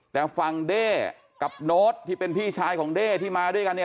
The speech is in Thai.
แต่ฝั่งเด้กับโน้ตที่เป็นพี่ชายของเด้ที่มาด้วยกันเนี่ย